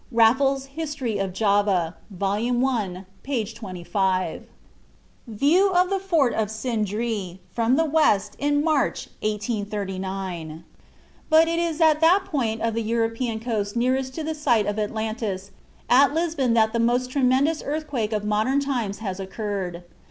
(Raffles's "History of Java," vol. i., p. 25.) VIEW OF THE FORT OF SINDREE FROM THE WEST IN MARCH, 1839. But it is at that point of the European coast nearest to the site of Atlantis at Lisbon that the most tremendous earthquake of modern times has occurred.